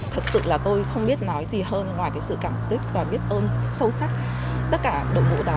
thật sự là tôi không biết nói gì hơn ngoài cái sự cảm kích và biết ơn sâu sắc tất cả đội ngũ đó